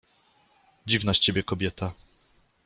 — Dziwna z ciebie kobieta.